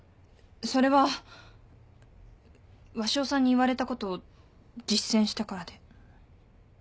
それは鷲尾さんに言われたことを実践したからで。